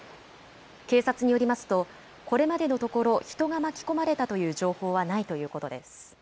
警察によりますとこれまでのところ人が巻き込まれたという情報はないということです。